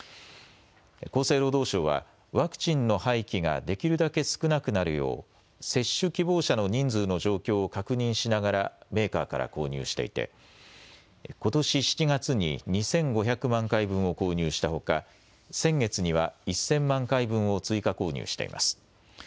厚生労働省はワクチンの廃棄ができるだけ少なくなるよう接種希望者の人数の状況を確認しながらメーカーから購入していてことし７月に２５００万回分を購入したほか、先月には１０００万回分を追加購入しています。